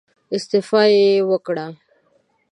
استعفا يې وکړه.